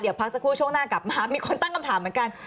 เดี๋ยวพักสักครู่ช่วงหน้ากลับมามีคนตั้งคำถามเหมือนกัน